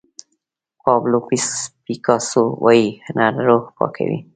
پابلو پیکاسو وایي هنر روح پاکوي.